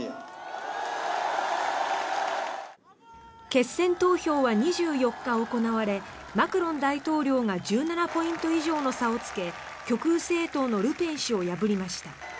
決選投票は２４日行われマクロン大統領が１７ポイント以上の差をつけ極右政党のルペン氏を破りました。